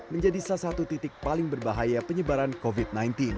menjadi salah satu titik paling berbahaya penyebaran covid sembilan belas